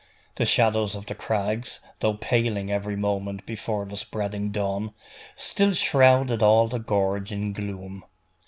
The shadows of the crags, though paling every moment before the spreading dawn, still shrouded all the gorge in gloom.